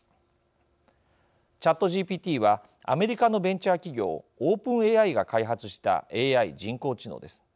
ＣｈａｔＧＰＴはアメリカのベンチャー企業オープンＡＩが開発したＡＩ人工知能です。